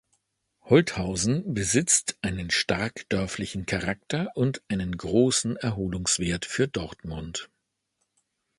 Holthausen besitzt einen stark dörflichen Charakter und einen großen Erholungswert für Dortmund.